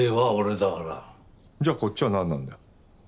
じゃあこっちはなんなんだよ？